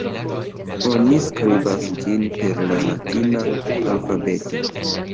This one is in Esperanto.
Oni skribas ĝin per la latina alfabeto.